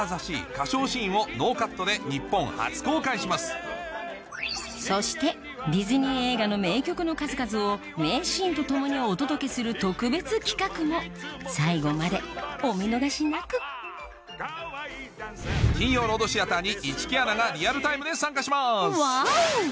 あなたにそしてディズニー映画の名曲の数々を名シーンと共にお届けする特別企画も最後までお見逃しなく金曜ロードシアターに市來アナがリアルタイムで参加しますワオ！